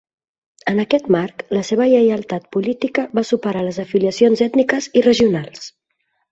En aquest marc, la seva lleialtat política va superar les afiliacions ètniques i regionals.